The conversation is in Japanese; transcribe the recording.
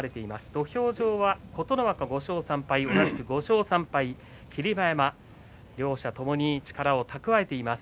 土俵上は琴ノ若、５勝３敗同じく５勝３敗霧馬山。両者ともに力を蓄えています。